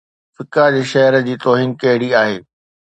فقه جي شهر جي توهين ڪهڙي آهي؟